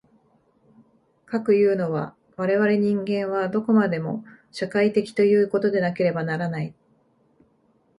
かくいうのは、我々人間はどこまでも社会的ということでなければならない。